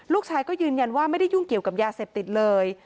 ลูกชายก็ยืนยันว่าไม่ได้ยุ่งเกี่ยวกับยาเสพติดเลย